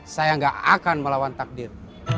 saya gak akan melawan takdir